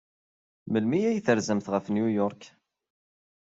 Melmi ay terzamt ɣef New York?